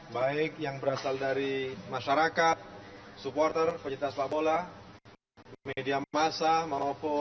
baik yang berasal dari masyarakat supporter pencipta sepak bola media masa maroko